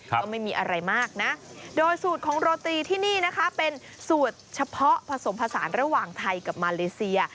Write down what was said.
ก็ไม่มีอะไรมากนะโดยสูตรของโรตีที่นี่นะคะเป็นสูตรเฉพาะผสมผสานระหว่างไทยกับมาเลเซีย